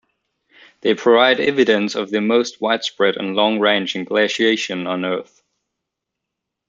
They provide evidence of the most widespread and long-ranging glaciation on Earth.